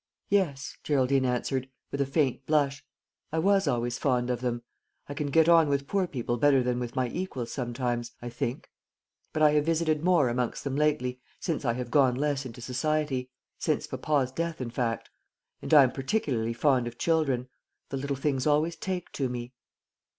"Yes," Geraldine answered, with a faint blush; "I was always fond of them. I can get on with poor people better than with my equals sometimes, I think; but I have visited more amongst them lately, since I have gone less into society since papa's death, in fact. And I am particularly fond of children; the little things always take to me."